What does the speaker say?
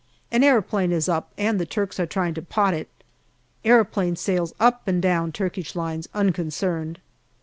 An aeroplane is up and the Turks are trying to pot it. Aeroplane sails up and down Turkish lines unconcerned.